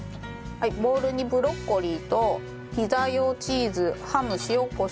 ボウルにブロッコリーとピザ用チーズハム塩コショウ